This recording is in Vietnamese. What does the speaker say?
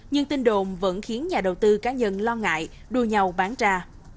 nhưng tin đồn vẫn khiến nhà đầu tư cá nhân lo ngại đua nhau bán ra